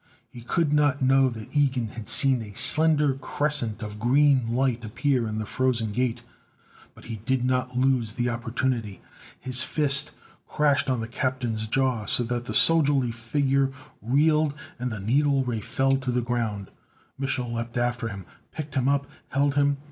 He could not know that Ilgen had seen a slender crescent of green light appear in the Frozen Gate, but he did not lose the opportunity. His fist crashed on the captain's jaw, so that the soldierly figure reeled and the needle ray fell to the ground. Mich'l leaped after him, picked him up, held him.